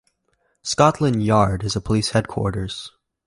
Scotland Yard is a police headquarters.